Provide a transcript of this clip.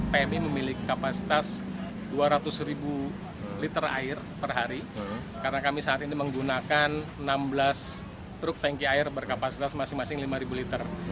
pmi memiliki kapasitas dua ratus ribu liter air per hari karena kami saat ini menggunakan enam belas truk tanki air berkapasitas masing masing lima liter